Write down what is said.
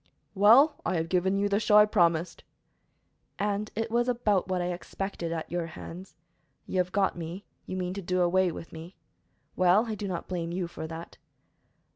"Well, I have given you the show I promised." "And it was about what I expected, at your hands. You have got me; you mean to do away with me. Well, I do not blame you for that."